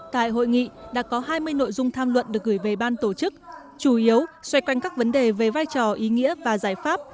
tại hội nghị đã có hai mươi nội dung tham luận được gửi về ban tổ chức chủ yếu xoay quanh các vấn đề về vai trò ý nghĩa và giải pháp